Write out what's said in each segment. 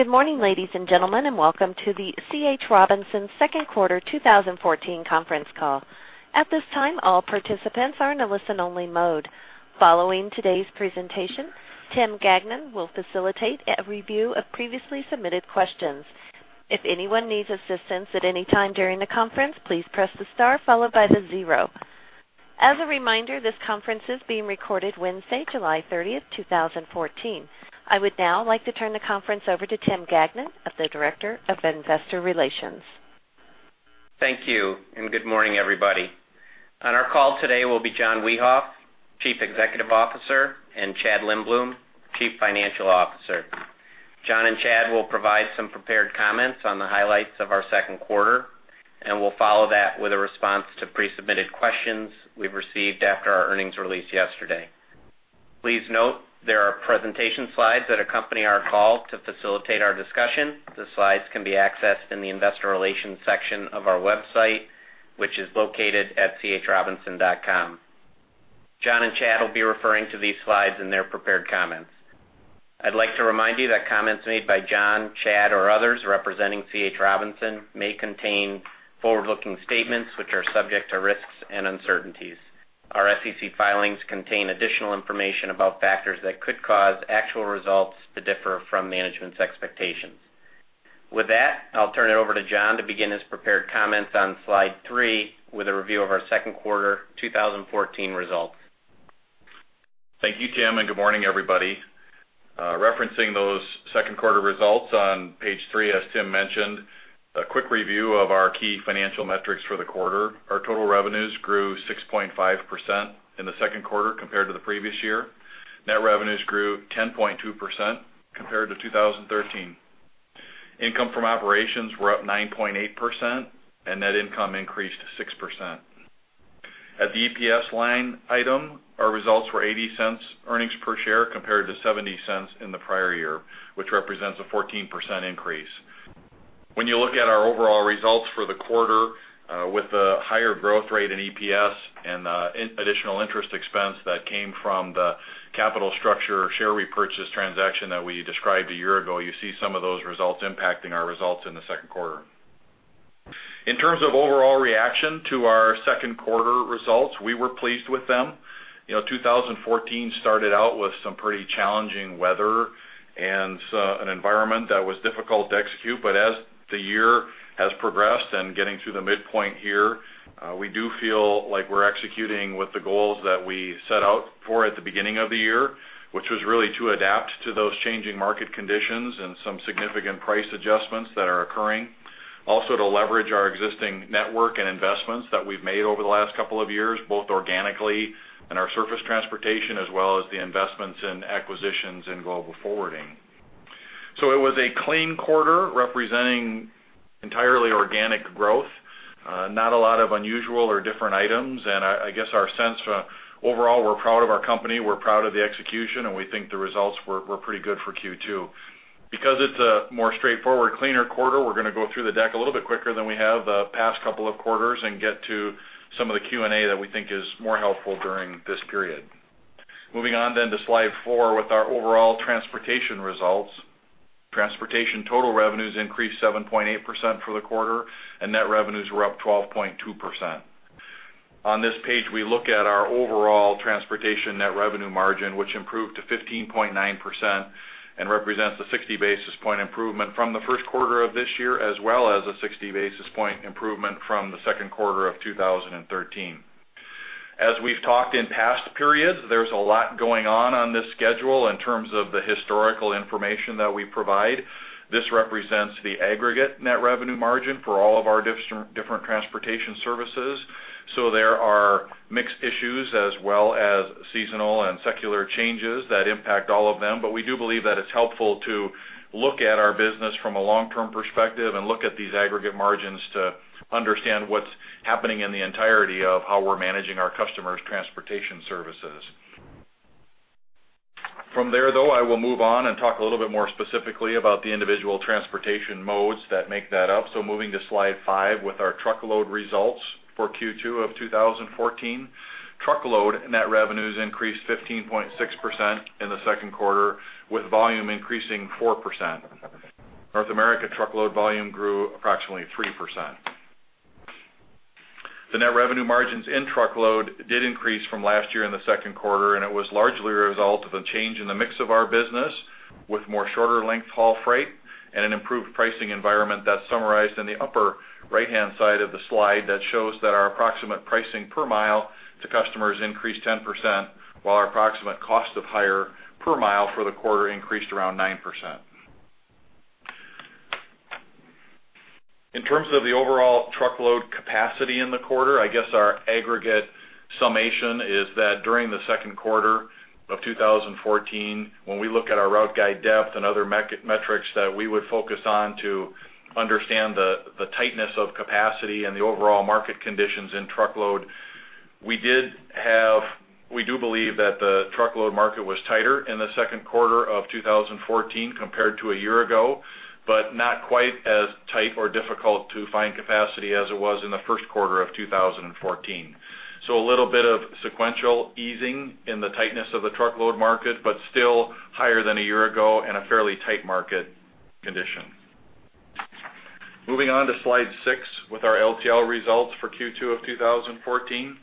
Good morning, ladies and gentlemen, and welcome to the C. H. Robinson second quarter 2014 conference call. At this time, all participants are in a listen-only mode. Following today's presentation, Tim Gagnon will facilitate a review of previously submitted questions. If anyone needs assistance at any time during the conference, please press the star followed by the zero. As a reminder, this conference is being recorded Wednesday, July 30, 2014. I would now like to turn the conference over to Tim Gagnon, the Director of Investor Relations. Thank you. Good morning, everybody. On our call today will be John Wiehoff, Chief Executive Officer, and Chad Lindbloom, Chief Financial Officer. John and Chad will provide some prepared comments on the highlights of our second quarter, and we'll follow that with a response to pre-submitted questions we received after our earnings release yesterday. Please note there are presentation slides that accompany our call to facilitate our discussion. The slides can be accessed in the investor relations section of our website, which is located at chrobinson.com. John and Chad will be referring to these slides in their prepared comments. I'd like to remind you that comments made by John, Chad, or others representing C. H. Robinson may contain forward-looking statements which are subject to risks and uncertainties. Our SEC filings contain additional information about factors that could cause actual results to differ from management's expectations. With that, I'll turn it over to John to begin his prepared comments on Slide Three with a review of our second quarter 2014 results. Thank you, Tim. Good morning, everybody. Referencing those second quarter results on Page Three, as Tim mentioned, a quick review of our key financial metrics for the quarter. Our total revenues grew 6.5% in the second quarter compared to the previous year. Net revenues grew 10.2% compared to 2013. Income from operations were up 9.8%, and net income increased 6%. At the EPS line item, our results were $0.80 earnings per share compared to $0.70 in the prior year, which represents a 14% increase. When you look at our overall results for the quarter, with the higher growth rate in EPS and the additional interest expense that came from the capital structure share repurchase transaction that we described a year ago, you see some of those results impacting our results in the second quarter. In terms of overall reaction to our second quarter results, we were pleased with them. 2014 started out with some pretty challenging weather and an environment that was difficult to execute. As the year has progressed and getting through the midpoint here, we do feel like we're executing with the goals that we set out for at the beginning of the year, which was really to adapt to those changing market conditions and some significant price adjustments that are occurring. Also, to leverage our existing network and investments that we've made over the last couple of years, both organically in our surface transportation, as well as the investments in acquisitions in global forwarding. It was a clean quarter representing entirely organic growth. Not a lot of unusual or different items. I guess our sense, overall, we're proud of our company, we're proud of the execution, and we think the results were pretty good for Q2. It's a more straightforward, cleaner quarter, we're going to go through the deck a little bit quicker than we have the past couple of quarters and get to some of the Q&A that we think is more helpful during this period. Moving on to Slide four with our overall transportation results. Transportation total revenues increased 7.8% for the quarter, and net revenues were up 12.2%. On this page, we look at our overall transportation net revenue margin, which improved to 15.9% and represents a 60 basis point improvement from the first quarter of this year, as well as a 60 basis point improvement from the second quarter of 2013. As we've talked in past periods, there's a lot going on on this schedule in terms of the historical information that we provide. This represents the aggregate net revenue margin for all of our different transportation services. There are mixed issues as well as seasonal and secular changes that impact all of them. We do believe that it's helpful to look at our business from a long-term perspective and look at these aggregate margins to understand what's happening in the entirety of how we're managing our customers' transportation services. From there, I will move on and talk a little bit more specifically about the individual transportation modes that make that up. Moving to Slide five with our truckload results for Q2 of 2014. Truckload net revenues increased 15.6% in the second quarter, with volume increasing 4%. North America truckload volume grew approximately 3%. The net revenue margins in truckload did increase from last year in the second quarter, it was largely a result of a change in the mix of our business with more shorter length haul freight and an improved pricing environment that's summarized in the upper right-hand side of the slide that shows that our approximate pricing per mile to customers increased 10%, while our approximate cost of hire per mile for the quarter increased around 9%. In terms of the overall truckload capacity in the quarter, our aggregate summation is that during the second quarter of 2014, when we look at our route guide depth and other metrics that we would focus on to understand the tightness of capacity and the overall market conditions in truckload, we do believe that the truckload market was tighter in the second quarter of 2014 compared to a year ago, but not quite as tight or difficult to find capacity as it was in the first quarter of 2014. A little bit of sequential easing in the tightness of the truckload market, but still higher than a year ago and a fairly tight market condition. Moving on to slide six with our LTL results for Q2 of 2014.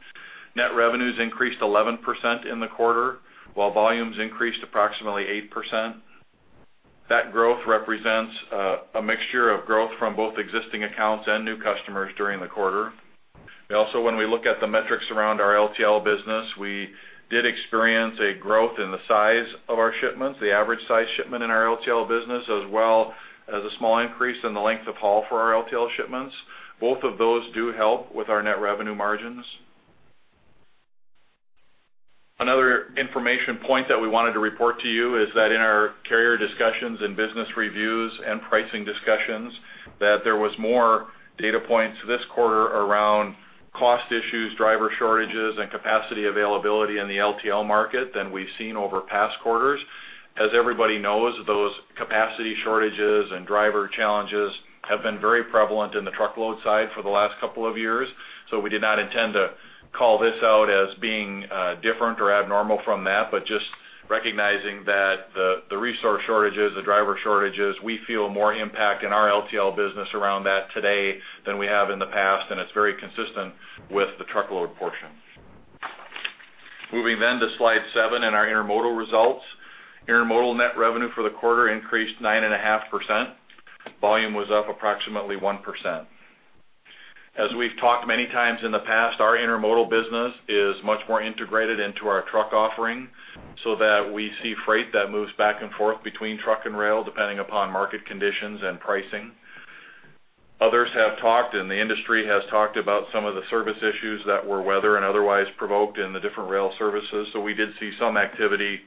Net revenues increased 11% in the quarter, while volumes increased approximately 8%. That growth represents a mixture of growth from both existing accounts and new customers during the quarter. Also, when we look at the metrics around our LTL business, we did experience a growth in the size of our shipments, the average size shipment in our LTL business, as well as a small increase in the length of haul for our LTL shipments. Both of those do help with our net revenue margins. Another information point that we wanted to report to you is that in our carrier discussions and business reviews and pricing discussions, that there was more data points this quarter around cost issues, driver shortages, and capacity availability in the LTL market than we've seen over past quarters. As everybody knows, those capacity shortages and driver challenges have been very prevalent in the truckload side for the last couple of years. We did not intend to call this out as being different or abnormal from that, but just recognizing that the resource shortages, the driver shortages, we feel more impact in our LTL business around that today than we have in the past, and it's very consistent with the truckload portion. Moving to slide seven and our intermodal results. Intermodal net revenue for the quarter increased 9.5%. Volume was up approximately 1%. As we've talked many times in the past, our intermodal business is much more integrated into our truck offering, that we see freight that moves back and forth between truck and rail, depending upon market conditions and pricing. Others have talked, and the industry has talked about some of the service issues that were weather and otherwise provoked in the different rail services. We did see some activity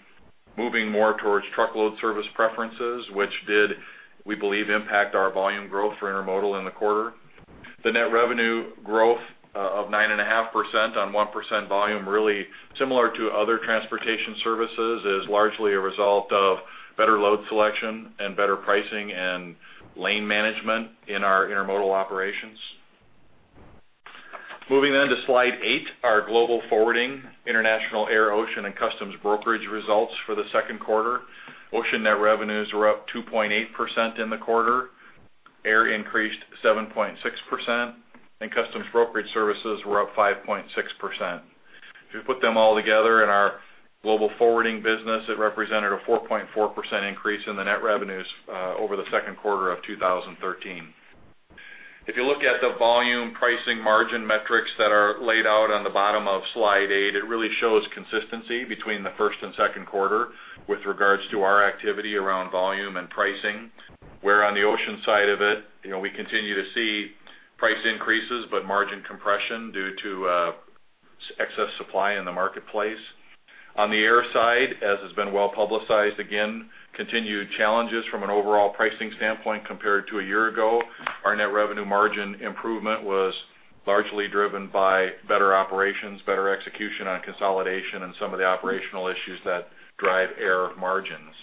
moving more towards truckload service preferences, which did, we believe, impact our volume growth for intermodal in the quarter. The net revenue growth of 9.5% on 1% volume, really similar to other transportation services, is largely a result of better load selection and better pricing and lane management in our intermodal operations. Moving to slide eight, our global forwarding international air, ocean, and customs brokerage results for the second quarter. Ocean net revenues were up 2.8% in the quarter. Air increased 7.6%, and customs brokerage services were up 5.6%. If you put them all together in our global forwarding business, it represented a 4.4% increase in the net revenues over the second quarter of 2013. If you look at the volume pricing margin metrics that are laid out on the bottom of slide eight, it really shows consistency between the first and second quarter with regards to our activity around volume and pricing, where on the ocean side of it, we continue to see price increases, but margin compression due to excess supply in the marketplace. On the air side, as has been well-publicized, again, continued challenges from an overall pricing standpoint compared to a year ago. Our net revenue margin improvement was largely driven by better operations, better execution on consolidation, and some of the operational issues that drive air margins.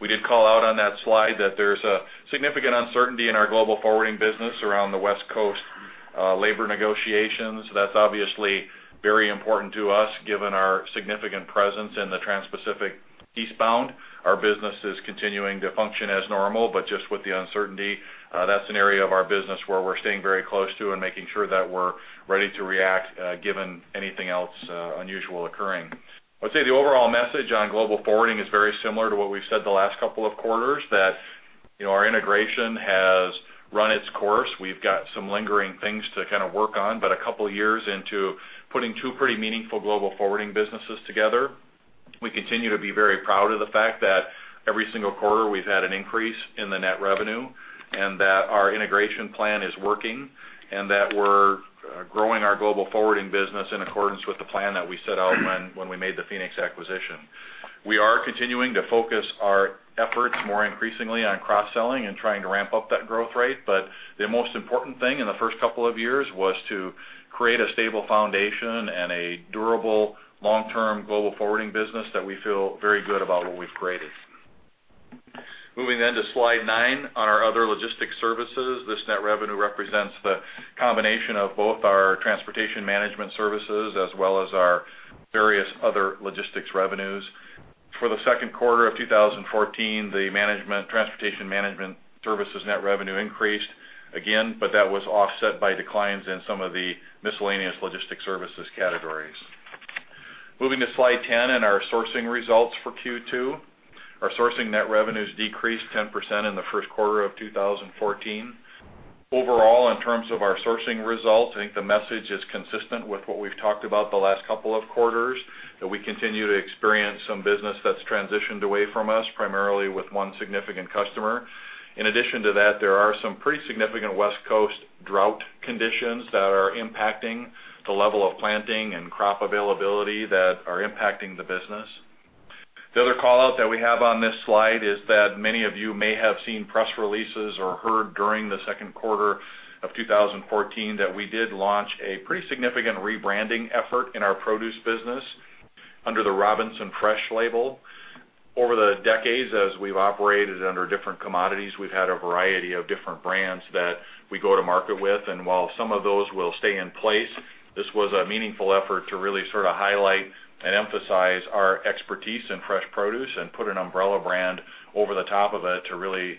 We did call out on that slide that there's a significant uncertainty in our global forwarding business around the West Coast labor negotiations. That's obviously very important to us given our significant presence in the Trans-Pacific eastbound. Our business is continuing to function as normal, just with the uncertainty, that's an area of our business where we're staying very close to and making sure that we're ready to react given anything else unusual occurring. I'd say the overall message on global forwarding is very similar to what we've said the last couple of quarters, that our integration has run its course. We've got some lingering things to work on, but a couple of years into putting two pretty meaningful global forwarding businesses together, we continue to be very proud of the fact that every single quarter we've had an increase in the net revenue, and that our integration plan is working, and that we're growing our global forwarding business in accordance with the plan that we set out when we made the Phoenix acquisition. We are continuing to focus our efforts more increasingly on cross-selling and trying to ramp up that growth rate. The most important thing in the first couple of years was to create a stable foundation and a durable long-term global forwarding business that we feel very good about what we've created. Moving then to slide nine on our other logistics services. This net revenue represents the combination of both our transportation management services as well as our various other logistics revenues. For the second quarter of 2014, the transportation management services net revenue increased again. That was offset by declines in some of the miscellaneous logistics services categories. Moving to slide 10 and our sourcing results for Q2. Our sourcing net revenues decreased 10% in the first quarter of 2014. Overall, in terms of our sourcing results, I think the message is consistent with what we've talked about the last couple of quarters, that we continue to experience some business that's transitioned away from us, primarily with one significant customer. In addition to that, there are some pretty significant West Coast drought conditions that are impacting the level of planting and crop availability that are impacting the business. The other call-out that we have on this slide is that many of you may have seen press releases or heard during the second quarter of 2014 that we did launch a pretty significant rebranding effort in our produce business. Under the Robinson Fresh label. Over the decades, as we've operated under different commodities, we've had a variety of different brands that we go to market with. While some of those will stay in place, this was a meaningful effort to really highlight and emphasize our expertise in fresh produce and put an umbrella brand over the top of it to really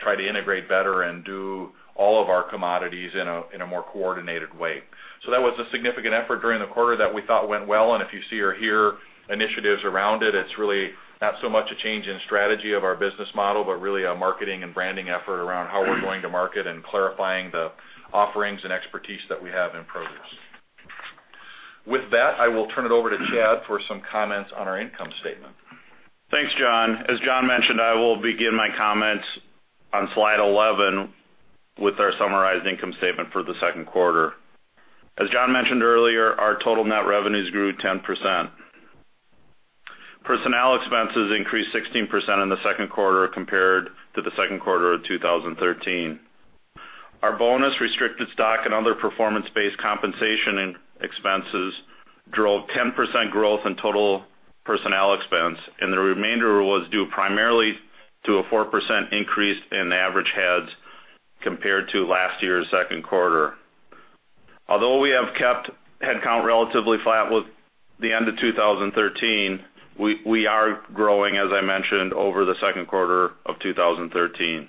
try to integrate better and do all of our commodities in a more coordinated way. That was a significant effort during the quarter that we thought went well. If you see or hear initiatives around it's really not so much a change in strategy of our business model, but really a marketing and branding effort around how we're going to market and clarifying the offerings and expertise that we have in produce. With that, I will turn it over to Chad for some comments on our income statement. Thanks, John. As John mentioned, I will begin my comments on slide 11 with our summarized income statement for the second quarter. As John mentioned earlier, our total net revenues grew 10%. Personnel expenses increased 16% in the second quarter compared to the second quarter of 2013. Our bonus restricted stock and other performance-based compensation expenses drove 10% growth in total personnel expense, and the remainder was due primarily to a 4% increase in average heads compared to last year's second quarter. Although we have kept headcount relatively flat with the end of 2013, we are growing, as I mentioned, over the second quarter of 2013.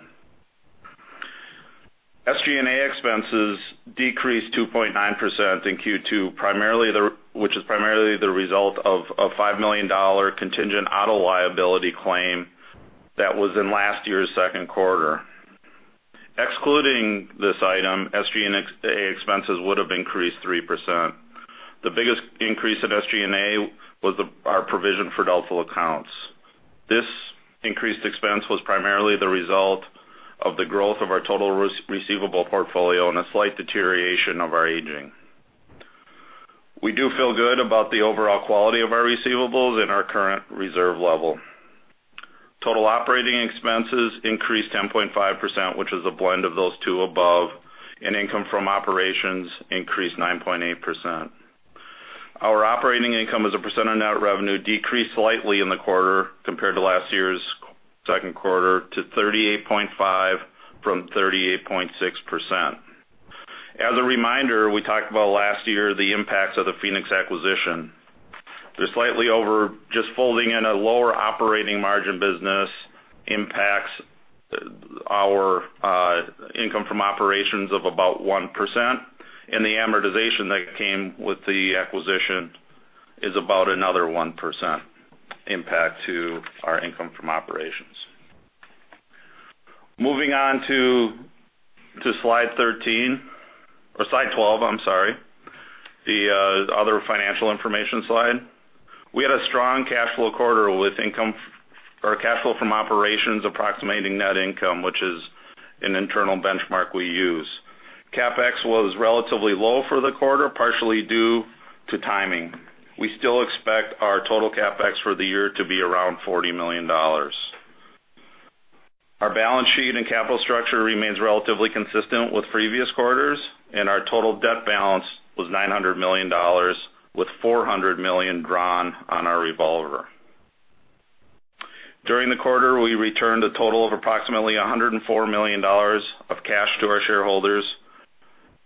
SG&A expenses decreased 2.9% in Q2, which is primarily the result of a $5 million contingent auto liability claim that was in last year's second quarter. Excluding this item, SG&A expenses would have increased 3%. The biggest increase in SG&A was our provision for doubtful accounts. This increased expense was primarily the result of the growth of our total receivable portfolio and a slight deterioration of our aging. We do feel good about the overall quality of our receivables and our current reserve level. Total operating expenses increased 10.5%, which is a blend of those two above, and income from operations increased 9.8%. Our operating income as a percent of net revenue decreased slightly in the quarter compared to last year's second quarter to 38.5% from 38.6%. As a reminder, we talked about last year the impacts of the Phoenix acquisition. Just folding in a lower operating margin business impacts our income from operations of about 1%, and the amortization that came with the acquisition is about another 1% impact to our income from operations. Moving on to slide 12, I'm sorry. The other financial information slide. We had a strong cash flow quarter with income or cash flow from operations approximating net income, which is an internal benchmark we use. CapEx was relatively low for the quarter, partially due to timing. We still expect our total CapEx for the year to be around $40 million. Our balance sheet and capital structure remains relatively consistent with previous quarters, and our total debt balance was $900 million, with $400 million drawn on our revolver. During the quarter, we returned a total of approximately $104 million of cash to our shareholders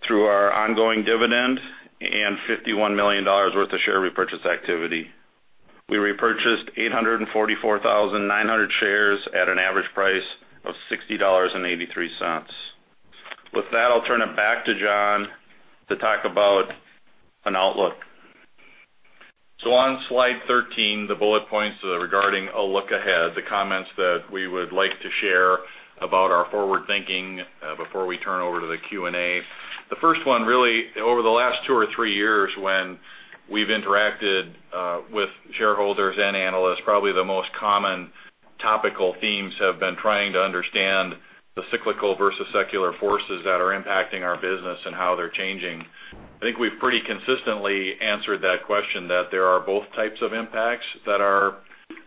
through our ongoing dividend and $51 million worth of share repurchase activity. We repurchased 844,900 shares at an average price of $60.83. With that, I'll turn it back to John to talk about an outlook. On slide 13, the bullet points regarding a look ahead, the comments that we would like to share about our forward thinking before we turn over to the Q&A. The first one, really, over the last two or three years, when we've interacted with shareholders and analysts, probably the most common topical themes have been trying to understand the cyclical versus secular forces that are impacting our business and how they're changing. I think we've pretty consistently answered that question, that there are both types of impacts that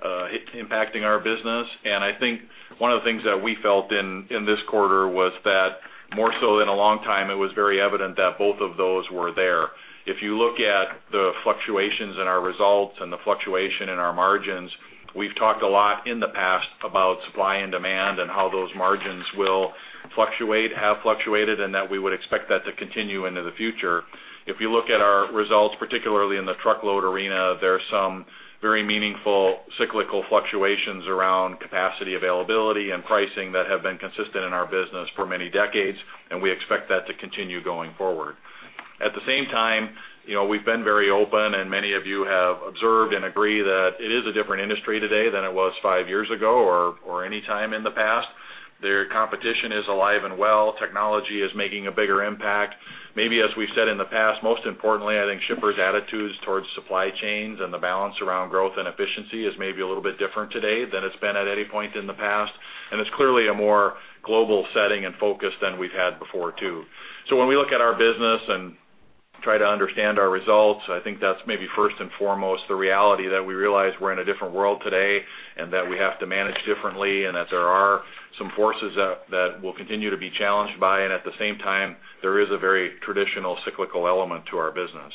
are impacting our business. I think one of the things that we felt in this quarter was that more so in a long time, it was very evident that both of those were there. If you look at the fluctuations in our results and the fluctuation in our margins, we've talked a lot in the past about supply and demand and how those margins will fluctuate, have fluctuated, and that we would expect that to continue into the future. If you look at our results, particularly in the Truckload arena, there are some very meaningful cyclical fluctuations around capacity, availability, and pricing that have been consistent in our business for many decades, and we expect that to continue going forward. At the same time, we've been very open, and many of you have observed and agree that it is a different industry today than it was five years ago or any time in the past. The competition is alive and well. Technology is making a bigger impact. Maybe as we've said in the past, most importantly, I think shippers' attitudes towards supply chains and the balance around growth and efficiency is maybe a little bit different today than it's been at any point in the past, and it's clearly a more global setting and focus than we've had before, too. When we look at our business and try to understand our results, I think that's maybe first and foremost the reality that we realize we're in a different world today, and that we have to manage differently, and that there are some forces that we'll continue to be challenged by, and at the same time, there is a very traditional cyclical element to our business.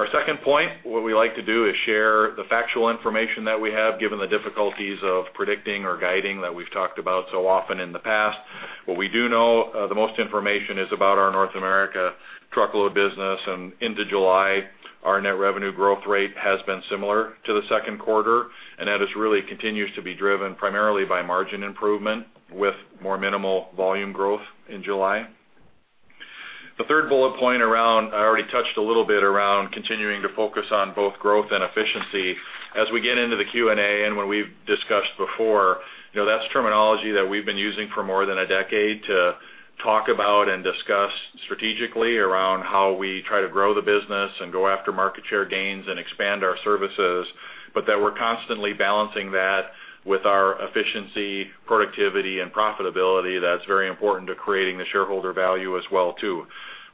Our second point, what we like to do is share the factual information that we have, given the difficulties of predicting or guiding that we've talked about so often in the past. What we do know, the most information is about our North America Truckload business, and into July, our net revenue growth rate has been similar to the second quarter, and that really continues to be driven primarily by margin improvement with more minimal volume growth in July. The third bullet point, I already touched a little bit around continuing to focus on both growth and efficiency. As we get into the Q&A and what we've discussed before, that's terminology that we've been using for more than a decade to talk about and discuss strategically around how we try to grow the business and go after market share gains and expand our services, but that we're constantly balancing that with our efficiency, productivity, and profitability that's very important to creating the shareholder value as well, too.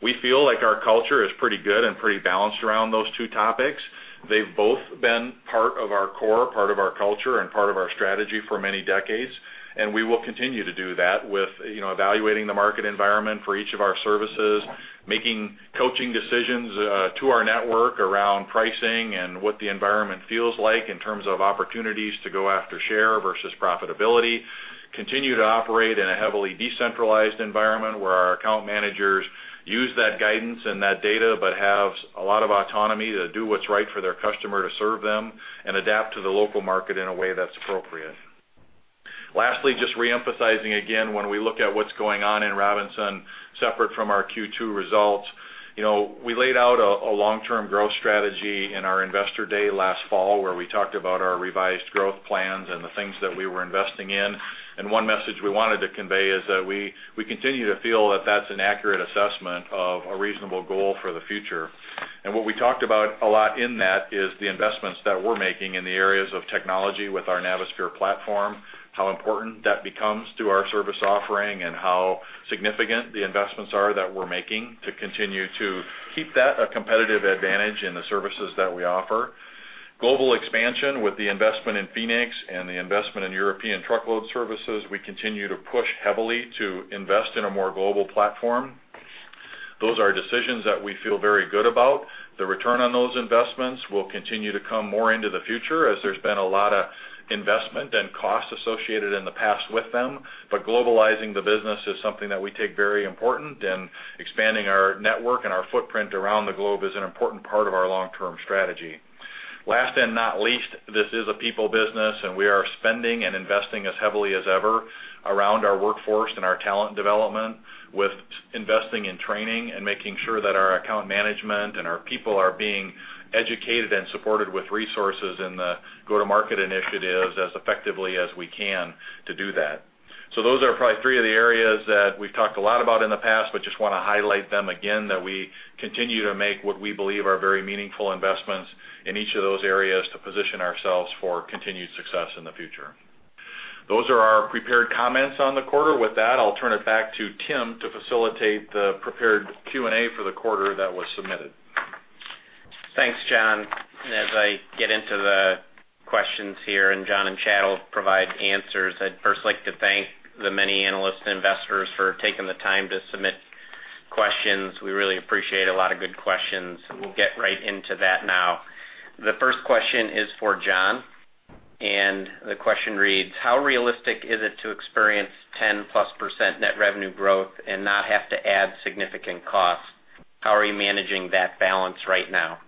We feel like our culture is pretty good and pretty balanced around those two topics. They've both been part of our core, part of our culture, and part of our strategy for many decades, and we will continue to do that with evaluating the market environment for each of our services, making coaching decisions to our network around pricing and what the environment feels like in terms of opportunities to go after share versus profitability. Continue to operate in a heavily decentralized environment where our account managers use that guidance and that data, but have a lot of autonomy to do what's right for their customer to serve them and adapt to the local market in a way that's appropriate. Lastly, just re-emphasizing again, when we look at what's going on in Robinson, separate from our Q2 results. We laid out a long-term growth strategy in our investor day last fall, where we talked about our revised growth plans and the things that we were investing in. One message we wanted to convey is that we continue to feel that that's an accurate assessment of a reasonable goal for the future. What we talked about a lot in that is the investments that we're making in the areas of technology with our Navisphere platform, how important that becomes to our service offering, and how significant the investments are that we're making to continue to keep that a competitive advantage in the services that we offer. Global expansion with the investment in Phoenix and the investment in European truckload services. We continue to push heavily to invest in a more global platform. Those are decisions that we feel very good about. The return on those investments will continue to come more into the future as there's been a lot of investment and cost associated in the past with them. Globalizing the business is something that we take very important, and expanding our network and our footprint around the globe is an important part of our long-term strategy. Last and not least, this is a people business, and we are spending and investing as heavily as ever around our workforce and our talent development, with investing in training and making sure that our account management and our people are being educated and supported with resources in the go-to-market initiatives as effectively as we can to do that. Those are probably three of the areas that we've talked a lot about in the past, but just want to highlight them again that we continue to make what we believe are very meaningful investments in each of those areas to position ourselves for continued success in the future. Those are our prepared comments on the quarter. With that, I'll turn it back to Tim to facilitate the prepared Q&A for the quarter that was submitted. Thanks, John. As I get into the questions here, John and Chad will provide answers, I'd first like to thank the many analysts and investors for taking the time to submit questions. We really appreciate a lot of good questions. We'll get right into that now. The first question is for John. The question reads: how realistic is it to experience 10-plus% net revenue growth and not have to add significant costs? How are you managing that balance right now?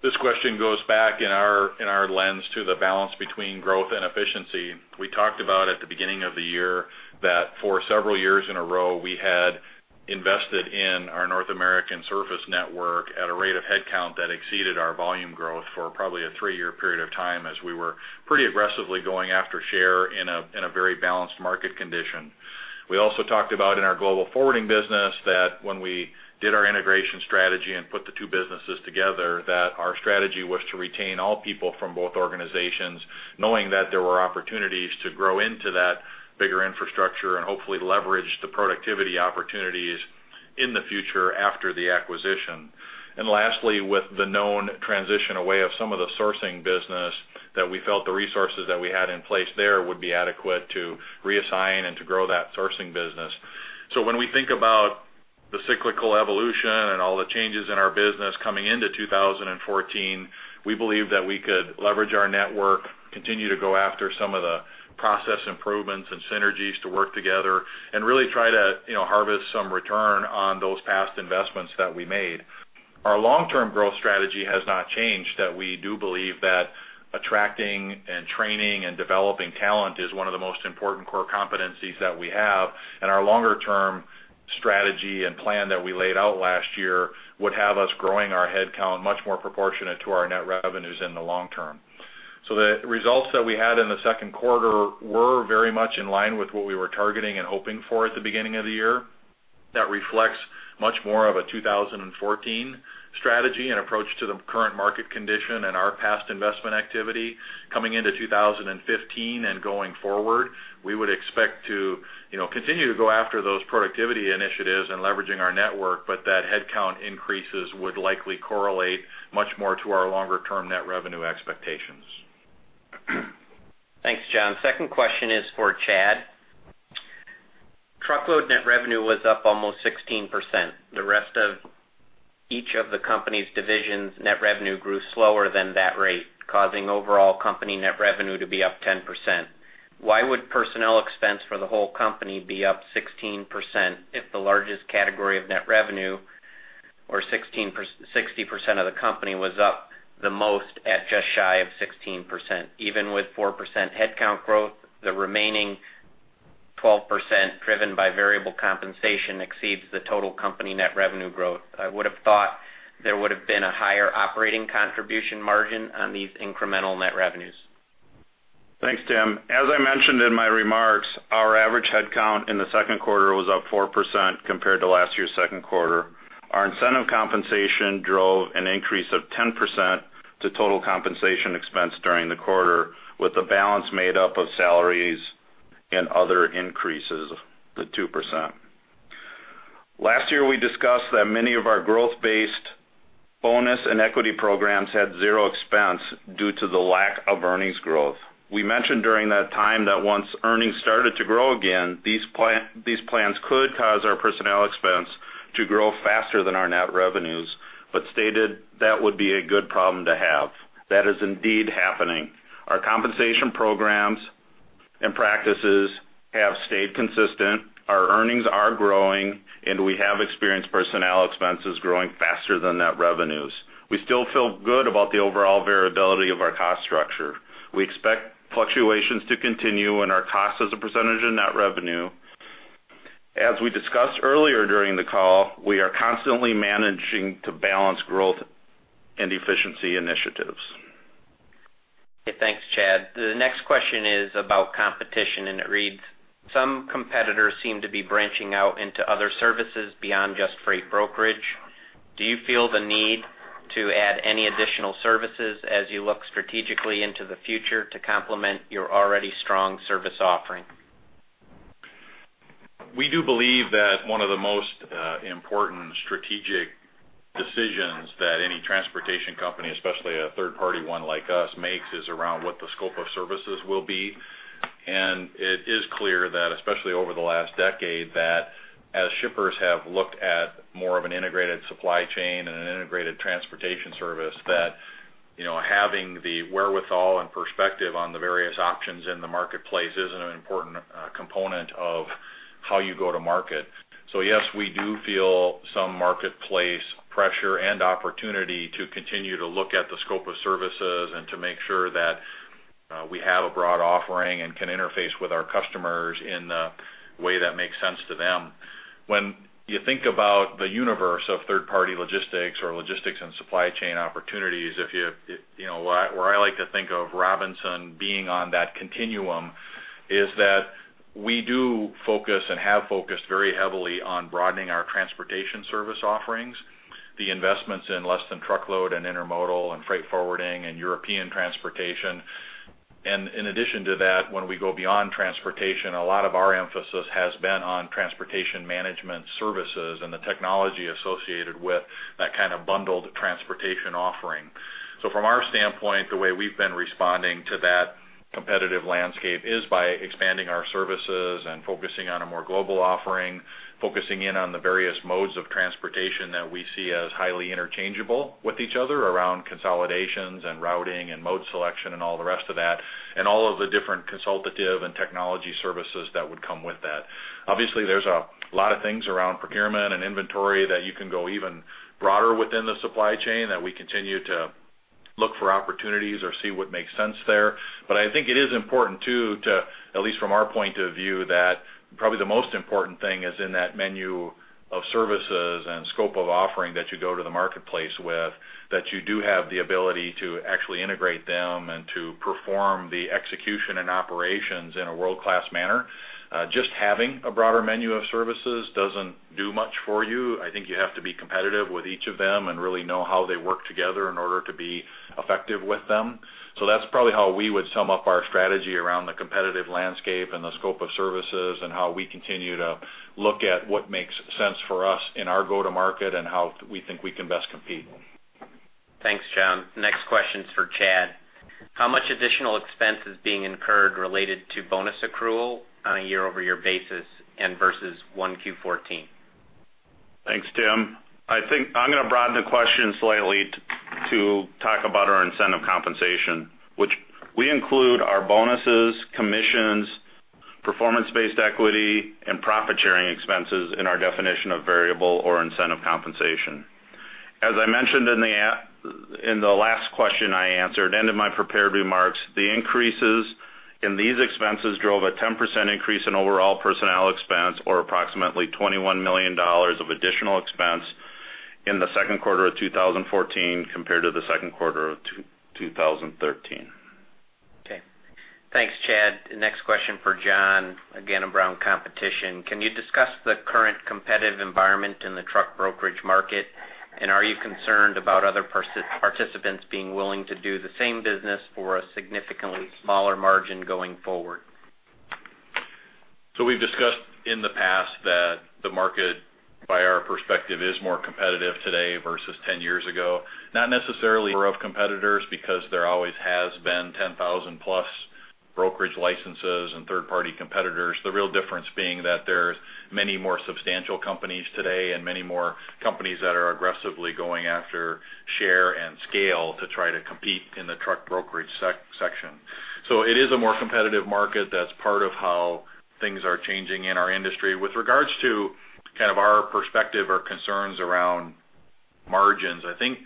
This question goes back in our lens to the balance between growth and efficiency. We talked about at the beginning of the year that for several years in a row, we had invested in our North American surface network at a rate of headcount that exceeded our volume growth for probably a three-year period of time as we were pretty aggressively going after share in a very balanced market condition. We also talked about in our global forwarding business that when we did our integration strategy and put the two businesses together, that our strategy was to retain all people from both organizations, knowing that there were opportunities to grow into that bigger infrastructure and hopefully leverage the productivity opportunities in the future after the acquisition. Lastly, with the known transition away of some of the sourcing business, we felt the resources that we had in place there would be adequate to reassign and to grow that sourcing business. When we think about the cyclical evolution and all the changes in our business coming into 2014, we believe that we could leverage our network, continue to go after some of the process improvements and synergies to work together and really try to harvest some return on those past investments that we made. Our long-term growth strategy has not changed, that we do believe that attracting and training and developing talent is one of the most important core competencies that we have, and our longer-term strategy and plan that we laid out last year would have us growing our headcount much more proportionate to our net revenues in the long term. The results that we had in the second quarter were very much in line with what we were targeting and hoping for at the beginning of the year. That reflects much more of a 2014 strategy and approach to the current market condition and our past investment activity. Coming into 2015 and going forward, we would expect to continue to go after those productivity initiatives and leveraging our network, but that headcount increases would likely correlate much more to our longer-term net revenue expectations. Thanks, John. Second question is for Chad. Truckload net revenue was up almost 16%. The rest of each of the company's divisions, net revenue grew slower than that rate, causing overall company net revenue to be up 10%. Why would personnel expense for the whole company be up 16% if the largest category of net revenue or 60% of the company was up the most at just shy of 16%? Even with 4% headcount growth, the remaining 12% driven by variable compensation exceeds the total company net revenue growth. I would have thought there would have been a higher operating contribution margin on these incremental net revenues. Thanks, Tim. As I mentioned in my remarks, our average headcount in the second quarter was up 4% compared to last year's second quarter. Our incentive compensation drove an increase of 10% to total compensation expense during the quarter, with the balance made up of salaries and other increases of 2%. Last year, we discussed that many of our growth-based bonus and equity programs had zero expense due to the lack of earnings growth. We mentioned during that time that once earnings started to grow again, these plans could cause our personnel expense to grow faster than our net revenues, but stated that would be a good problem to have. That is indeed happening. Our compensation programs and practices have stayed consistent. Our earnings are growing, and we have experienced personnel expenses growing faster than net revenues. We still feel good about the overall variability of our cost structure. We expect fluctuations to continue in our cost as a percentage of net revenue. As we discussed earlier during the call, we are constantly managing to balance growth and efficiency initiatives. Okay. Thanks, Chad. The next question is about competition, and it reads: Some competitors seem to be branching out into other services beyond just freight brokerage. Do you feel the need to add any additional services as you look strategically into the future to complement your already strong service offering? We do believe that one of the most important strategic decisions that any transportation company, especially a third-party one like us, makes is around what the scope of services will be. It is clear that, especially over the last decade, that as shippers have looked at more of an integrated supply chain and an integrated transportation service, that having the wherewithal and perspective on the various options in the marketplace is an important component of how you go to market. Yes, we do feel some marketplace pressure and opportunity to continue to look at the scope of services and to make sure that we have a broad offering and can interface with our customers in a way that makes sense to them. When you think about the universe of third-party logistics or logistics and supply chain opportunities, where I like to think of Robinson being on that continuum is that we do focus and have focused very heavily on broadening our transportation service offerings, the investments in less-than-truckload and intermodal and freight forwarding and European transportation. In addition to that, when we go beyond transportation, a lot of our emphasis has been on transportation management services and the technology associated with that kind of bundled transportation offering. From our standpoint, the way we've been responding to that competitive landscape is by expanding our services and focusing on a more global offering, focusing in on the various modes of transportation that we see as highly interchangeable with each other around consolidations and routing and mode selection and all the rest of that, and all of the different consultative and technology services that would come with that. Obviously, there's a lot of things around procurement and inventory that you can go even broader within the supply chain that we continue to look for opportunities or see what makes sense there. I think it is important, too, at least from our point of view, that probably the most important thing is in that menu of services and scope of offering that you go to the marketplace with, that you do have the ability to actually integrate them and to perform the execution and operations in a world-class manner. Just having a broader menu of services doesn't do much for you. I think you have to be competitive with each of them and really know how they work together in order to be effective with them. That's probably how we would sum up our strategy around the competitive landscape and the scope of services and how we continue to look at what makes sense for us in our go to market and how we think we can best compete. Thanks, John. Next question is for Chad. How much additional expense is being incurred related to bonus accrual on a year-over-year basis and versus 1Q14? Thanks, Tim. I think I'm going to broaden the question slightly to talk about our incentive compensation, which we include our bonuses, commissions, performance-based equity, and profit-sharing expenses in our definition of variable or incentive compensation. As I mentioned in the last question I answered, end of my prepared remarks, the increases in these expenses drove a 10% increase in overall personnel expense or approximately $21 million of additional expense in the second quarter of 2014 compared to the second quarter of 2013. Okay. Thanks, Chad. Next question for John, again around competition. Can you discuss the current competitive environment in the truck brokerage market? Are you concerned about other participants being willing to do the same business for a significantly smaller margin going forward? We've discussed in the past that the market By our perspective, is more competitive today versus 10 years ago. Not necessarily for competitors, because there always has been 10,000-plus brokerage licenses and third-party competitors. The real difference being that there's many more substantial companies today and many more companies that are aggressively going after share and scale to try to compete in the truck brokerage section. It is a more competitive market. That's part of how things are changing in our industry. With regards to our perspective or concerns around margins, I think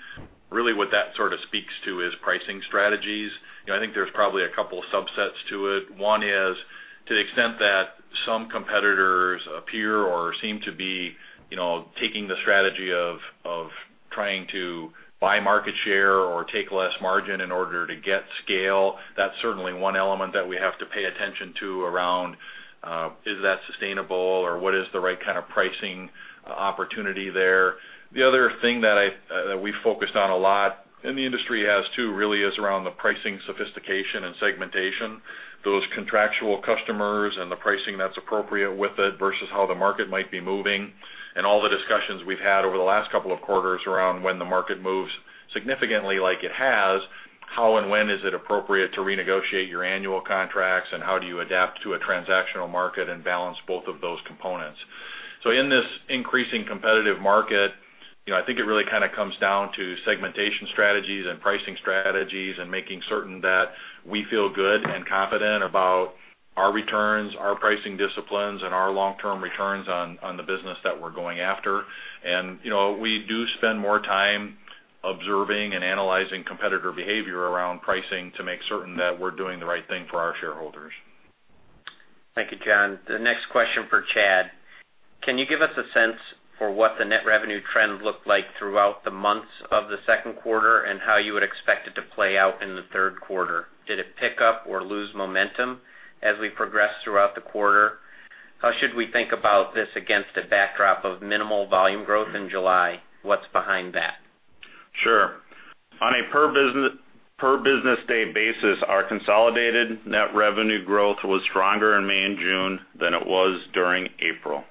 really what that sort of speaks to is pricing strategies. I think there's probably a couple of subsets to it. One is to the extent that some competitors appear or seem to be taking the strategy of trying to buy market share or take less margin in order to get scale. That's certainly one element that we have to pay attention to around, is that sustainable? What is the right kind of pricing opportunity there? The other thing that we focused on a lot, and the industry has too, really is around the pricing sophistication and segmentation. Those contractual customers and the pricing that's appropriate with it versus how the market might be moving, and all the discussions we've had over the last couple of quarters around when the market moves significantly like it has, how and when is it appropriate to renegotiate your annual contracts, and how do you adapt to a transactional market and balance both of those components? In this increasing competitive market, I think it really comes down to segmentation strategies and pricing strategies and making certain that we feel good and confident about our returns, our pricing disciplines, and our long-term returns on the business that we're going after. We do spend more time observing and analyzing competitor behavior around pricing to make certain that we're doing the right thing for our shareholders. Thank you, John. The next question for Chad. Can you give us a sense for what the net revenue trend looked like throughout the months of the second quarter and how you would expect it to play out in the third quarter? Did it pick up or lose momentum as we progressed throughout the quarter? How should we think about this against a backdrop of minimal volume growth in July? What's behind that? Sure. On a per business day basis, our consolidated net revenue growth was stronger in May and June than it was during April.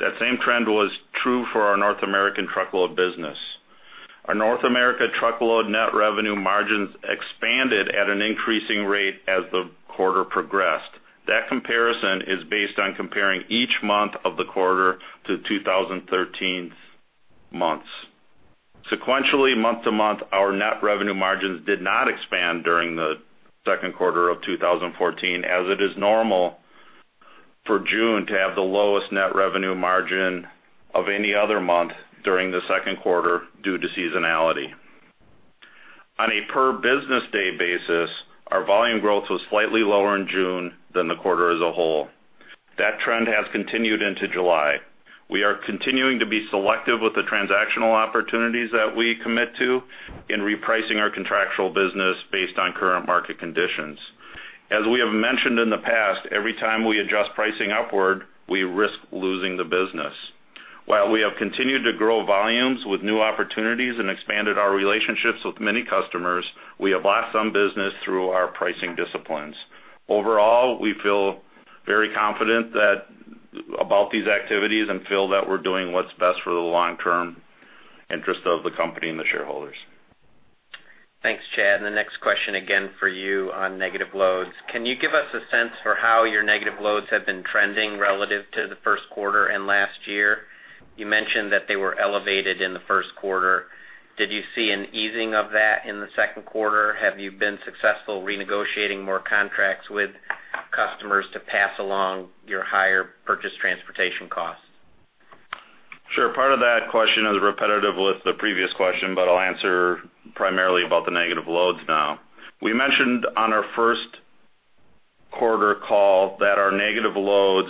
That same trend was true for our North American truckload business. Our North America truckload net revenue margins expanded at an increasing rate as the quarter progressed. That comparison is based on comparing each month of the quarter to 2013's months. Sequentially, month to month, our net revenue margins did not expand during the second quarter of 2014, as it is normal for June to have the lowest net revenue margin of any other month during the second quarter due to seasonality. On a per business day basis, our volume growth was slightly lower in June than the quarter as a whole. That trend has continued into July. We are continuing to be selective with the transactional opportunities that we commit to in repricing our contractual business based on current market conditions. As we have mentioned in the past, every time we adjust pricing upward, we risk losing the business. While we have continued to grow volumes with new opportunities and expanded our relationships with many customers, we have lost some business through our pricing disciplines. Overall, we feel very confident about these activities and feel that we're doing what's best for the long-term interest of the company and the shareholders. Thanks, Chad. The next question, again, for you on negative loads. Can you give us a sense for how your negative loads have been trending relative to the first quarter and last year? You mentioned that they were elevated in the first quarter. Did you see an easing of that in the second quarter? Have you been successful renegotiating more contracts with customers to pass along your higher purchase transportation costs? Sure. Part of that question is repetitive with the previous question, I'll answer primarily about the negative loads now. We mentioned on our first quarter call that our negative loads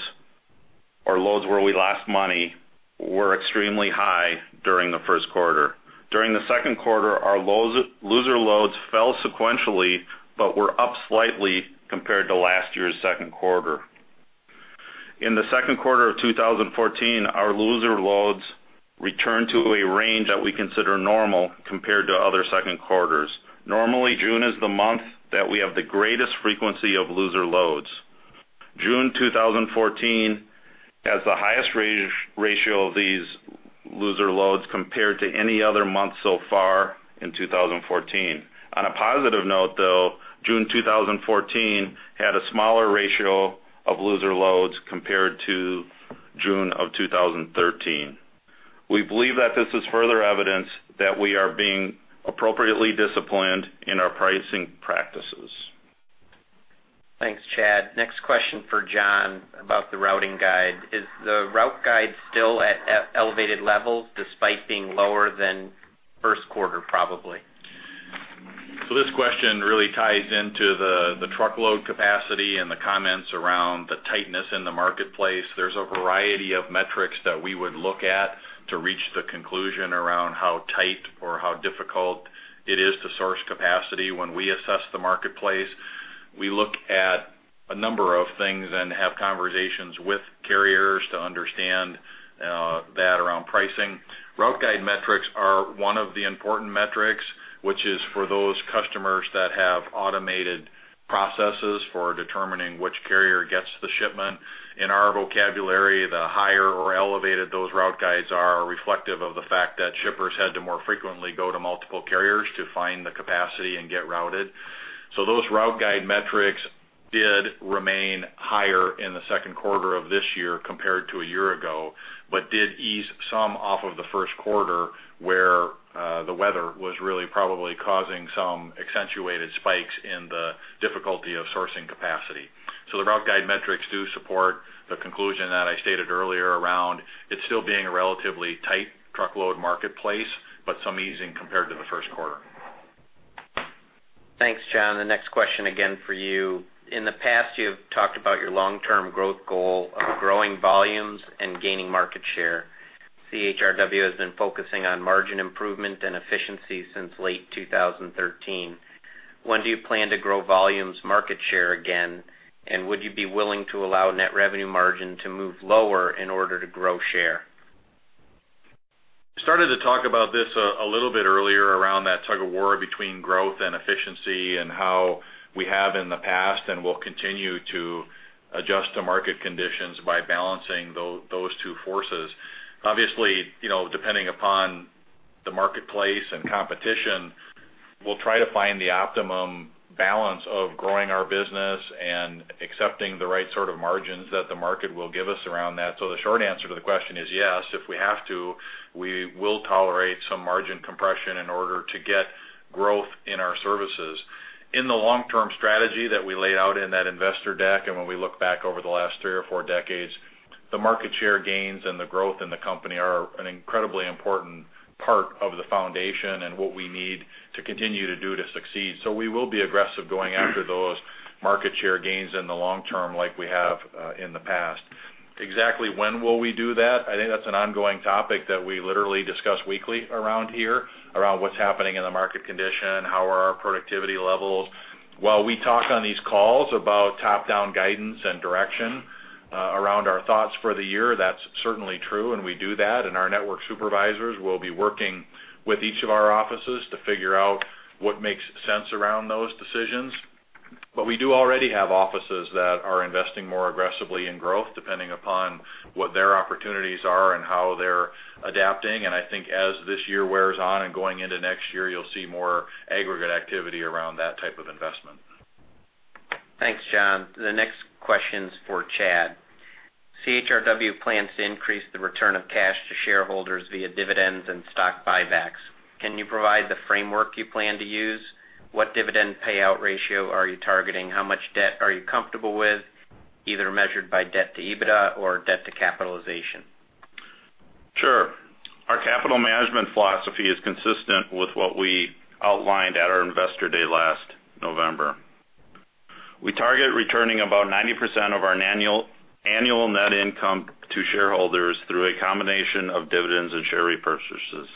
or loads where we lost money were extremely high during the first quarter. During the second quarter, our loser loads fell sequentially but were up slightly compared to last year's second quarter. In the second quarter of 2014, our loser loads returned to a range that we consider normal compared to other second quarters. Normally, June is the month that we have the greatest frequency of loser loads. June 2014 has the highest ratio of these loser loads compared to any other month so far in 2014. On a positive note, though, June 2014 had a smaller ratio of loser loads compared to June of 2013. We believe that this is further evidence that we are being appropriately disciplined in our pricing practices. Thanks, Chad. Next question for John about the routing guide. Is the route guide still at elevated levels despite being lower than first quarter, probably? This question really ties into the truckload capacity and the comments around the tightness in the marketplace. There's a variety of metrics that we would look at to reach the conclusion around how tight or how difficult it is to source capacity when we assess the marketplace. We look at a number of things and have conversations with carriers to understand the pricing. Route guide metrics are one of the important metrics, which is for those customers that have automated processes for determining which carrier gets the shipment. In our vocabulary, the higher or elevated those route guides are reflective of the fact that shippers had to more frequently go to multiple carriers to find the capacity and get routed. Those route guide metrics did remain higher in the second quarter of this year compared to a year ago, but did ease some off of the first quarter, where the weather was really probably causing some accentuated spikes in the difficulty of sourcing capacity. The route guide metrics do support the conclusion that I stated earlier around it still being a relatively tight truckload marketplace, but some easing compared to the first quarter. Thanks, John. The next question, again for you. In the past, you've talked about your long-term growth goal of growing volumes and gaining market share. CHRW has been focusing on margin improvement and efficiency since late 2013. When do you plan to grow volumes market share again, and would you be willing to allow net revenue margin to move lower in order to grow share? Started to talk about this a little bit earlier around that tug of war between growth and efficiency and how we have in the past and will continue to adjust to market conditions by balancing those two forces. Obviously, depending upon the marketplace and competition, we'll try to find the optimum balance of growing our business and accepting the right sort of margins that the market will give us around that. The short answer to the question is yes, if we have to, we will tolerate some margin compression in order to get growth in our services. In the long-term strategy that we laid out in that investor deck, and when we look back over the last three or four decades, the market share gains and the growth in the company are an incredibly important part of the foundation and what we need to continue to do to succeed. We will be aggressive going after those market share gains in the long term like we have in the past. Exactly when will we do that? I think that's an ongoing topic that we literally discuss weekly around here, around what's happening in the market condition, how are our productivity levels. While we talk on these calls about top-down guidance and direction around our thoughts for the year, that's certainly true, and we do that, and our network supervisors will be working with each of our offices to figure out what makes sense around those decisions. We do already have offices that are investing more aggressively in growth, depending upon what their opportunities are and how they're adapting. I think as this year wears on and going into next year, you'll see more aggregate activity around that type of investment. Thanks, John. The next question's for Chad. CHRW plans to increase the return of cash to shareholders via dividends and stock buybacks. Can you provide the framework you plan to use? What dividend payout ratio are you targeting? How much debt are you comfortable with, either measured by debt to EBITDA or debt to capitalization? Sure. Our capital management philosophy is consistent with what we outlined at our investor day last November. We target returning about 90% of our annual net income to shareholders through a combination of dividends and share repurchases.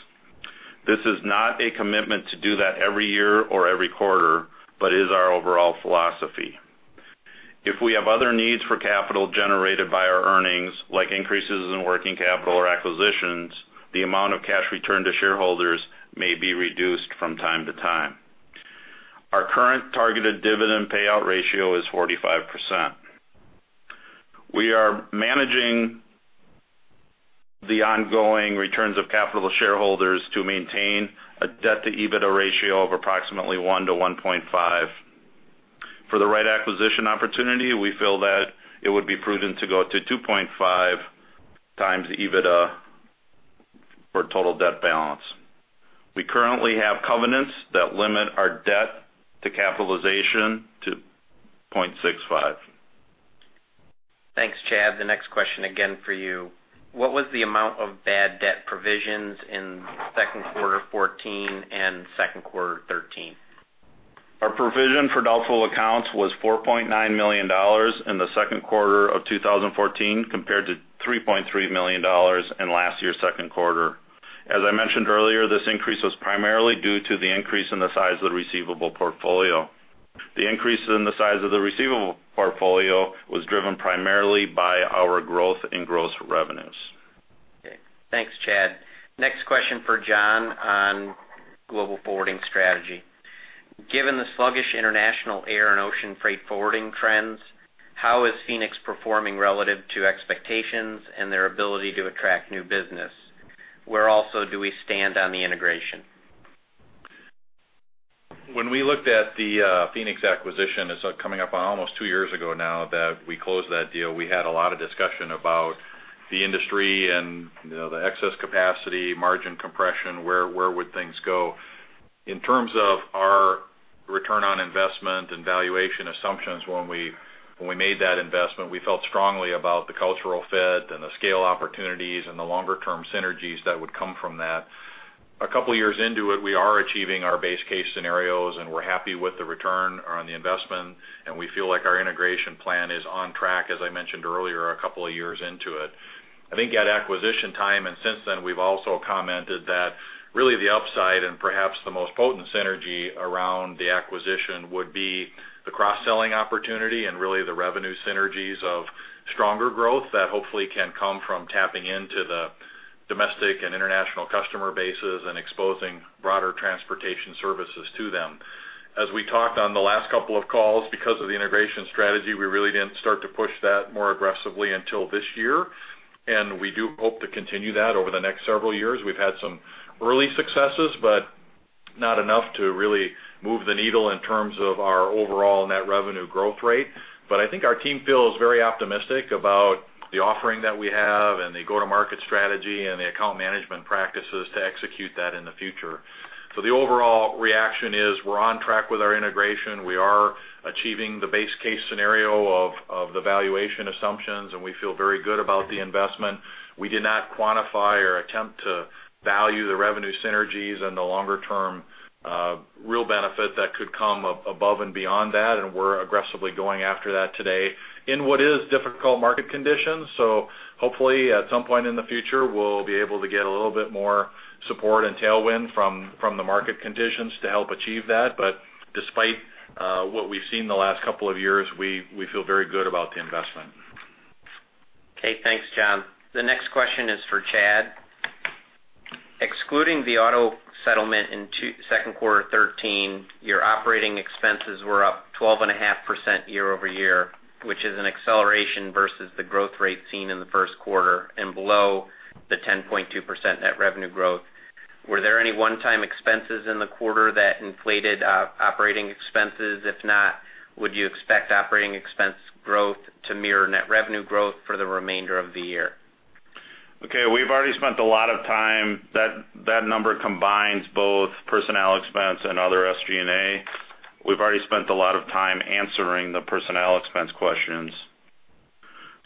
This is not a commitment to do that every year or every quarter, but is our overall philosophy. If we have other needs for capital generated by our earnings, like increases in working capital or acquisitions, the amount of cash returned to shareholders may be reduced from time to time. Our current targeted dividend payout ratio is 45%. We are managing the ongoing returns of capital shareholders to maintain a debt-to-EBITDA ratio of approximately one to 1.5. For the right acquisition opportunity, we feel that it would be prudent to go up to 2.5x EBITDA for total debt balance. We currently have covenants that limit our debt to capitalization to 0.65. Thanks, Chad. The next question, again for you. What was the amount of bad debt provisions in second quarter 2014 and second quarter 2013? Our provision for doubtful accounts was $4.9 million in the second quarter of 2014 compared to $3.3 million in last year's second quarter. As I mentioned earlier, this increase was primarily due to the increase in the size of the receivable portfolio. The increase in the size of the receivable portfolio was driven primarily by our growth in gross revenues. Okay. Thanks, Chad. Next question for John on global forwarding strategy. Given the sluggish international air and ocean freight forwarding trends, how is Phoenix performing relative to expectations and their ability to attract new business? Where also do we stand on the integration? When we looked at the Phoenix acquisition, it's coming up on almost two years ago now that we closed that deal, we had a lot of discussion about the industry and the excess capacity, margin compression, where would things go. In terms of our return on investment and valuation assumptions when we made that investment, we felt strongly about the cultural fit and the scale opportunities and the longer term synergies that would come from that. A couple of years into it, we are achieving our base case scenarios, and we're happy with the return on the investment, and we feel like our integration plan is on track, as I mentioned earlier, a couple of years into it. I think at acquisition time and since then, we've also commented that really the upside and perhaps the most potent synergy around the acquisition would be the cross-selling opportunity and really the revenue synergies of stronger growth that hopefully can come from tapping into the domestic and international customer bases and exposing broader transportation services to them. As we talked on the last couple of calls, because of the integration strategy, we really didn't start to push that more aggressively until this year, and we do hope to continue that over the next several years. We've had some early successes, but not enough to really move the needle in terms of our overall net revenue growth rate. I think our team feels very optimistic about the offering that we have and the go-to-market strategy and the account management practices to execute that in the future. The overall reaction is we're on track with our integration. We are achieving the base case scenario of the valuation assumptions, and we feel very good about the investment. We did not quantify or attempt to value the revenue synergies and the longer-term real benefit that could come above and beyond that, and we're aggressively going after that today in what is difficult market conditions. Hopefully, at some point in the future, we'll be able to get a little bit more support and tailwind from the market conditions to help achieve that. Despite what we've seen the last couple of years, we feel very good about the investment. Okay. Thanks, John. The next question is for Chad. Excluding the auto settlement in second quarter 2013, your operating expenses were up 12.5% year-over-year, which is an acceleration versus the growth rate seen in the first quarter and below the 10.2% net revenue growth. Were there any one-time expenses in the quarter that inflated operating expenses? If not, would you expect operating expense growth to mirror net revenue growth for the remainder of the year? Okay. We've already spent a lot of time. That number combines both personnel expense and other SG&A. We've already spent a lot of time answering the personnel expense questions.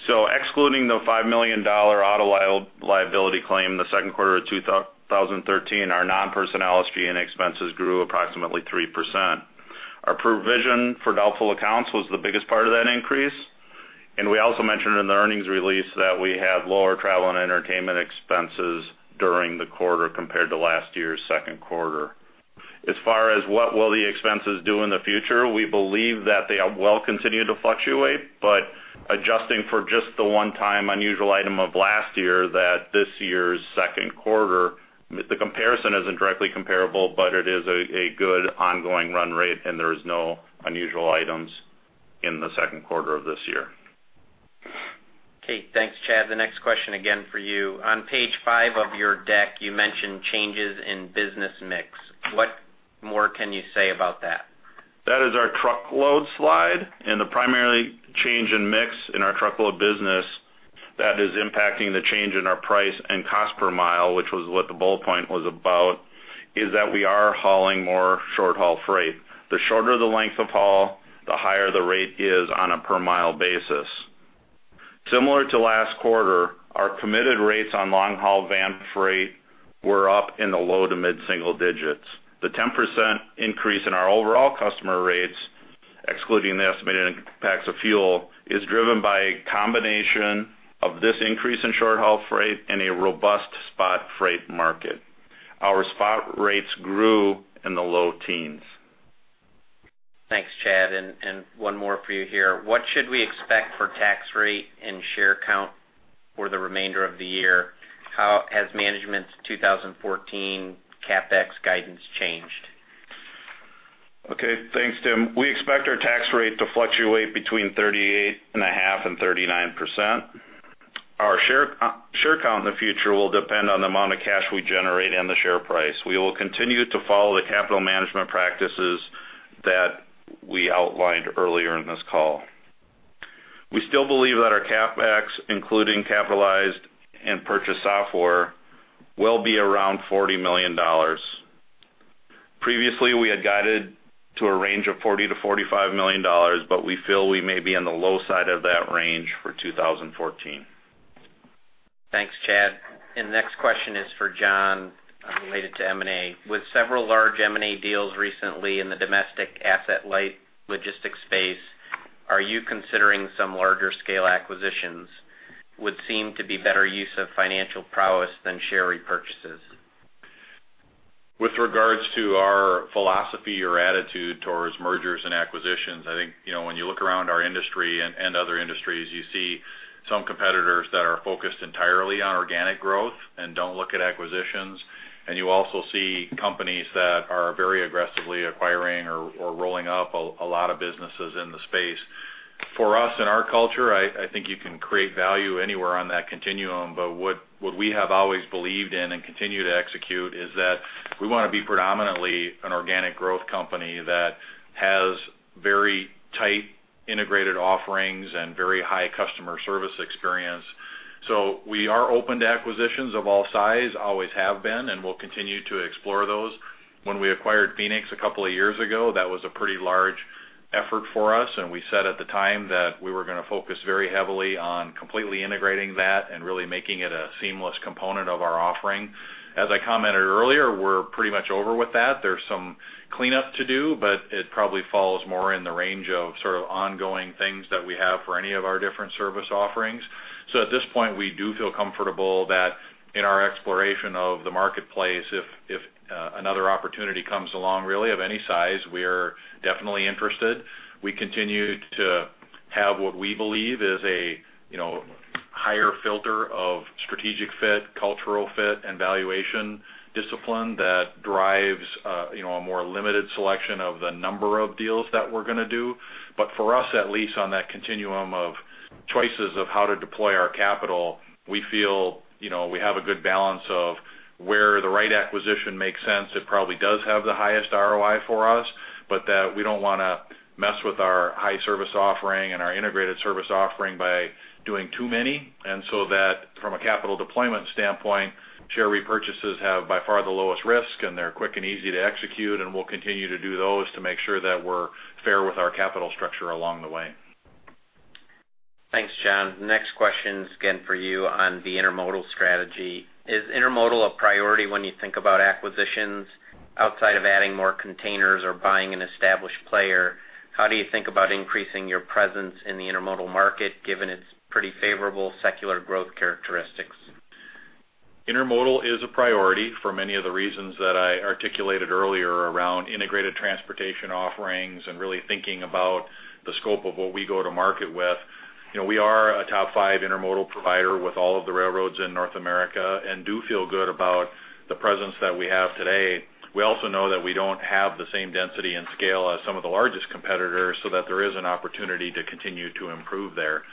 Excluding the $5 million auto liability claim in the second quarter of 2013, our non-personnel SG&A expenses grew approximately 3%. Our provision for doubtful accounts was the biggest part of that increase, and we also mentioned in the earnings release that we have lower travel and entertainment expenses during the quarter compared to last year's second quarter. As far as what will the expenses do in the future, we believe that they will continue to fluctuate. Adjusting for just the one-time unusual item of last year that this year's second quarter, the comparison isn't directly comparable, but it is a good ongoing run rate, and there is no unusual items in the second quarter of this year. Okay, thanks, Chad. The next question again for you. On page five of your deck, you mentioned changes in business mix. What more can you say about that? That is our truckload slide. The primary change in mix in our truckload business that is impacting the change in our price and cost per mile, which was what the bullet point was about, is that we are hauling more short-haul freight. The shorter the length of haul, the higher the rate is on a per mile basis. Similar to last quarter, our committed rates on long-haul van freight were up in the low to mid-single digits. The 10% increase in our overall customer rates, excluding the estimated impacts of fuel, is driven by a combination of this increase in short-haul freight and a robust spot freight market. Our spot rates grew in the low teens. Thanks, Chad. One more for you here. What should we expect for tax rate and share count for the remainder of the year? How has management's 2014 CapEx guidance changed? Okay, thanks, Tim. We expect our tax rate to fluctuate between 38.5% and 39%. Our share count in the future will depend on the amount of cash we generate and the share price. We will continue to follow the capital management practices that we outlined earlier in this call. We still believe that our CapEx, including capitalized and purchased software, will be around $40 million. Previously, we had guided to a range of $40 million-$45 million. We feel we may be on the low side of that range for 2014. Thanks, Chad. The next question is for John related to M&A. With several large M&A deals recently in the domestic asset-light logistics space, are you considering some larger scale acquisitions would seem to be better use of financial prowess than share repurchases? With regards to our philosophy or attitude towards mergers and acquisitions, I think when you look around our industry and other industries, you see some competitors that are focused entirely on organic growth and don't look at acquisitions, and you also see companies that are very aggressively acquiring or rolling up a lot of businesses in the space. For us, in our culture, I think you can create value anywhere on that continuum. What we have always believed in and continue to execute is that we want to be predominantly an organic growth company that has very tight, integrated offerings and very high customer service experience. We are open to acquisitions of all size, always have been, and we'll continue to explore those. When we acquired Phoenix a couple of years ago, that was a pretty large effort for us, and we said at the time that we were going to focus very heavily on completely integrating that and really making it a seamless component of our offering. As I commented earlier, we're pretty much over with that. There's some cleanup to do, but it probably falls more in the range of sort of ongoing things that we have for any of our different service offerings. At this point, we do feel comfortable that in our exploration of the marketplace, if another opportunity comes along, really of any size, we are definitely interested. We continue to have what we believe is a higher filter of strategic fit, cultural fit, and valuation discipline that drives a more limited selection of the number of deals that we're going to do. For us, at least on that continuum of choices of how to deploy our capital, we feel we have a good balance of where the right acquisition makes sense. It probably does have the highest ROI for us, but that we don't want to mess with our high service offering and our integrated service offering by doing too many. That from a capital deployment standpoint, share repurchases have by far the lowest risk, and they're quick and easy to execute, and we'll continue to do those to make sure that we're fair with our capital structure along the way. Thanks, John. Next question is again for you on the intermodal strategy. Is intermodal a priority when you think about acquisitions outside of adding more containers or buying an established player? How do you think about increasing your presence in the intermodal market, given its pretty favorable secular growth characteristics? Intermodal is a priority for many of the reasons that I articulated earlier around integrated transportation offerings and really thinking about the scope of what we go to market with. We are a top five intermodal provider with all of the railroads in North America and do feel good about the presence that we have today. We also know that we don't have the same density and scale as some of the largest competitors, that there is an opportunity to continue to improve there.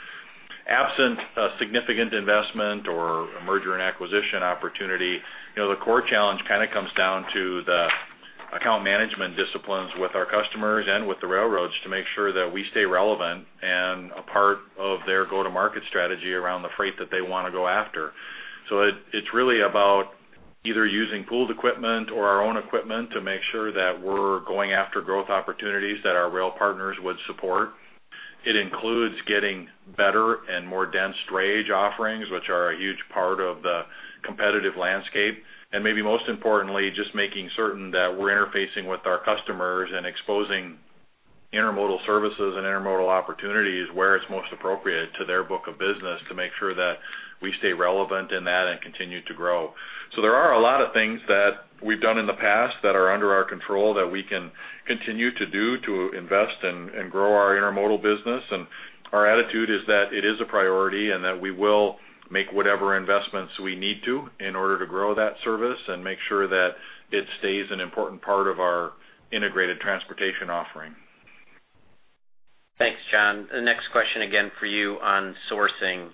Absent a significant investment or a merger and acquisition opportunity, the core challenge kind of comes down to the account management disciplines with our customers and with the railroads to make sure that we stay relevant and a part of their go-to-market strategy around the freight that they want to go after. It's really about either using pooled equipment or our own equipment to make sure that we're going after growth opportunities that our rail partners would support. It includes getting better and more dense range offerings, which are a huge part of the competitive landscape. Maybe most importantly, just making certain that we're interfacing with our customers and exposing intermodal services and intermodal opportunities where it's most appropriate to their book of business to make sure that we stay relevant in that and continue to grow. There are a lot of things that we've done in the past that are under our control that we can continue to do to invest and grow our intermodal business. Our attitude is that it is a priority and that we will make whatever investments we need to in order to grow that service and make sure that it stays an important part of our integrated transportation offering. Thanks, John. The next question, again for you on sourcing.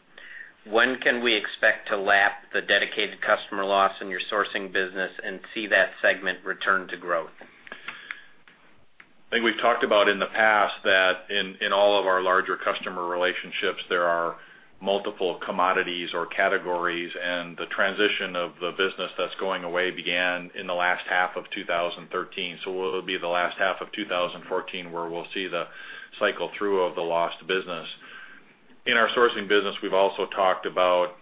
When can we expect to lap the dedicated customer loss in your sourcing business and see that segment return to growth? I think we've talked about in the past that in all of our larger customer relationships, there are multiple commodities or categories, and the transition of the business that's going away began in the last half of 2013. It'll be the last half of 2014, where we'll see the cycle through of the lost business. In our sourcing business, we've also talked about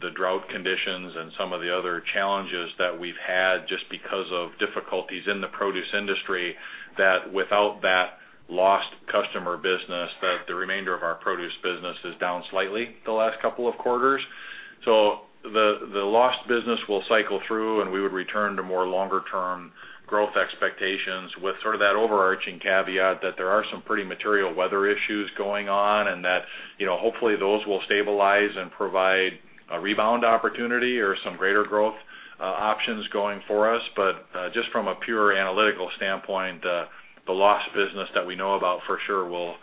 the drought conditions and some of the other challenges that we've had just because of difficulties in the produce industry, that without that lost customer business, that the remainder of our produce business is down slightly the last couple of quarters. The lost business will cycle through, and we would return to more longer-term growth expectations with sort of that overarching caveat that there are some pretty material weather issues going on and that hopefully those will stabilize and provide a rebound opportunity or some greater growth options going for us. Just from a pure analytical standpoint, the lost business that we know about for sure will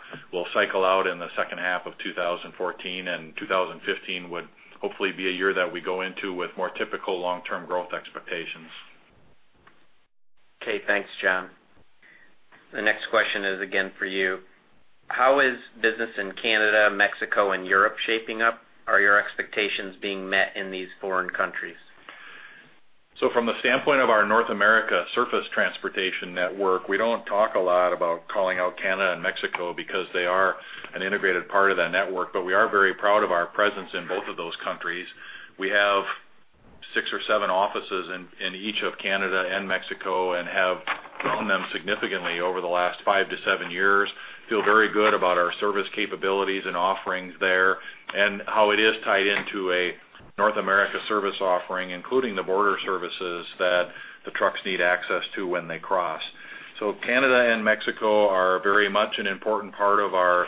cycle out in the second half of 2014, and 2015 would hopefully be a year that we go into with more typical long-term growth expectations. Okay, thanks, John. The next question is again for you. How is business in Canada, Mexico, and Europe shaping up? Are your expectations being met in these foreign countries? From the standpoint of our North America surface transportation network, we don't talk a lot about calling out Canada and Mexico because they are an integrated part of that network. We are very proud of our presence in both of those countries. We have six or seven offices in each of Canada and Mexico and have grown them significantly over the last five to seven years. Feel very good about our service capabilities and offerings there and how it is tied into a North America service offering, including the border services that the trucks need access to when they cross. Canada and Mexico are very much an important part of our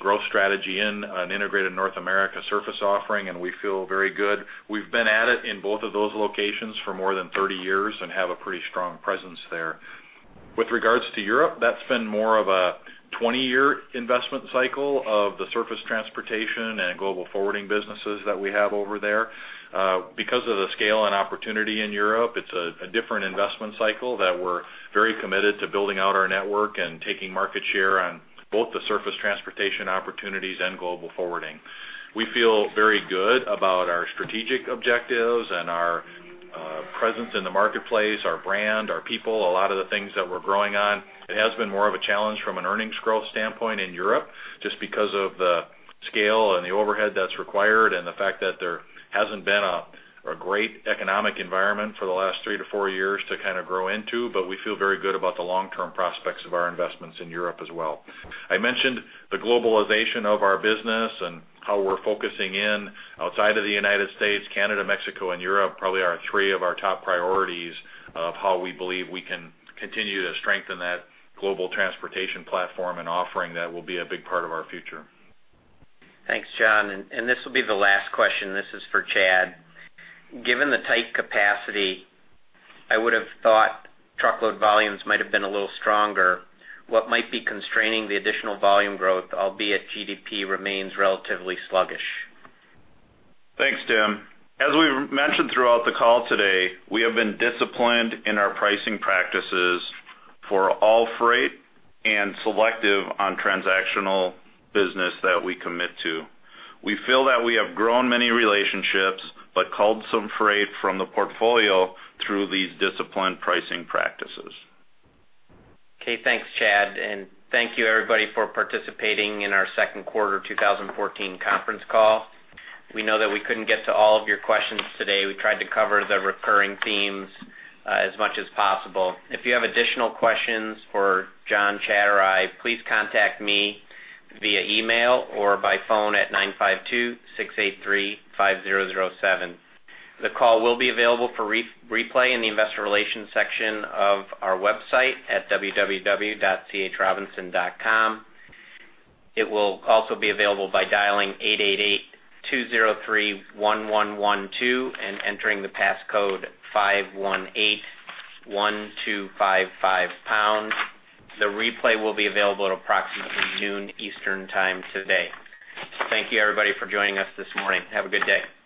growth strategy in an integrated North America surface offering, and we feel very good. We've been at it in both of those locations for more than 30 years and have a pretty strong presence there. With regards to Europe, that's been more of a 20-year investment cycle of the surface transportation and global forwarding businesses that we have over there. Because of the scale and opportunity in Europe, it's a different investment cycle that we're very committed to building out our network and taking market share on both the surface transportation opportunities and global forwarding. We feel very good about our strategic objectives and our presence in the marketplace, our brand, our people, a lot of the things that we're growing on. It has been more of a challenge from an earnings growth standpoint in Europe, just because of the scale and the overhead that's required and the fact that there hasn't been a great economic environment for the last three to four years to kind of grow into. We feel very good about the long-term prospects of our investments in Europe as well. I mentioned the globalization of our business and how we're focusing in outside of the U.S., Canada, Mexico, and Europe, probably are three of our top priorities of how we believe we can continue to strengthen that global transportation platform and offering that will be a big part of our future. Thanks, John, this will be the last question. This is for Chad. Given the tight capacity, I would've thought truckload volumes might've been a little stronger. What might be constraining the additional volume growth, albeit GDP remains relatively sluggish? Thanks, Tim. As we mentioned throughout the call today, we have been disciplined in our pricing practices for all freight and selective on transactional business that we commit to. We feel that we have grown many relationships but culled some freight from the portfolio through these disciplined pricing practices. Okay. Thanks, Chad, and thank you everybody for participating in our second quarter 2014 conference call. We know that we couldn't get to all of your questions today. We tried to cover the recurring themes, as much as possible. If you have additional questions for John, Chad, or I, please contact me via email or by phone at 952-683-5007. The call will be available for replay in the investor relations section of our website at www.chrobinson.com. It will also be available by dialing 888-203-1112 and entering the pass code 5181255, pound. The replay will be available at approximately noon Eastern Time today. Thank you everybody for joining us this morning. Have a good day.